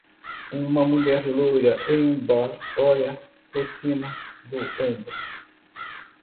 Uma mulher loira em um bar olha por cima do ombro.